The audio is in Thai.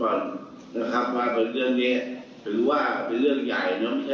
ว่าเรื่องนี้เป็นเรื่องใหญ่ไม่ใช่เรื่องเล็ก